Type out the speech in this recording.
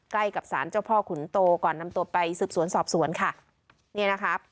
ใกล้กับสารเจ้าพ่อขุนโตก่อนนำตัวไปสืบสวนสอบสวนค่ะเนี่ยนะครับ